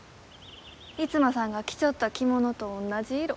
逸馬さんが着ちょった着物と同じ色。